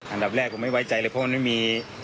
อันดับแรกผมไม่ไว้ใจเลยเพราะมันไม่มี